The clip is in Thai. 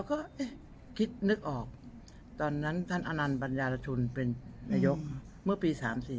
ก็คิดนึกออกตอนนั้นท่านอนันต์ปัญญารชุนเป็นนายกเมื่อปี๓๔